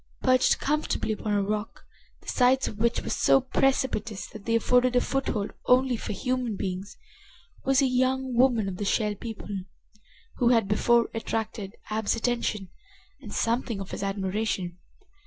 Perched comfortably upon a rock, the sides of which were so precipitous that they afforded a foothold only for human beings, was a young woman of the Shell People who had before attracted Ab's attention and something of his admiration.